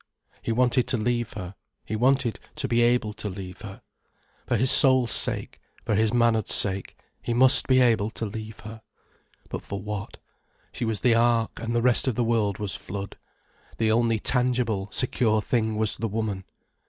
He wanted to leave her, he wanted to be able to leave her. For his soul's sake, for his manhood's sake, he must be able to leave her. But for what? She was the ark, and the rest of the world was flood. The only tangible, secure thing was the woman.